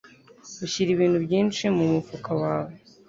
Ushyira ibintu byinshi mumufuka wawe.